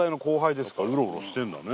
やっぱうろうろしてんだね。